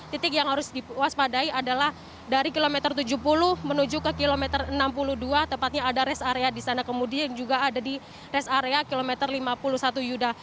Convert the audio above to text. titik yang harus diwaspadai adalah dari kilometer tujuh puluh menuju ke kilometer enam puluh dua tepatnya ada rest area di sana kemudian juga ada di rest area kilometer lima puluh satu yuda